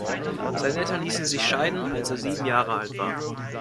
Seine Eltern ließen sich scheiden, als er sieben Jahre alt war.